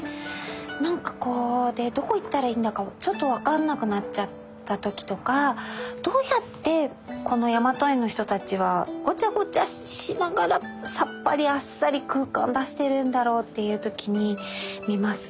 なんかこうどこいったらいいんだかちょっと分かんなくなっちゃった時とかどうやってこの「やまと絵」の人たちはごちゃごちゃしながらさっぱりあっさり空間出しているんだろうっていう時に見ますね。